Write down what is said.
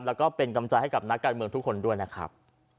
แล้วก็เป็นกำลังใจให้กับนักการเมืองทุกคนด้วยนะครับ